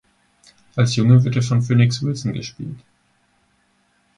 Als Junge wird er von Phoenix Wilson gespielt.